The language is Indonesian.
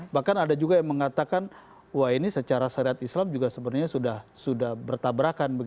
bahkan ada juga yang mengatakan wah ini secara syariat islam juga sebenarnya sudah bertabrakan